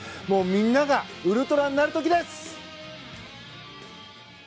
みんながウルトラになる時です！